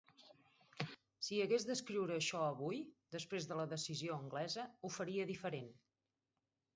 Si hagués d’escriure això avui, després de la decisió anglesa, ho faria diferent.